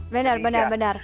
benar benar benar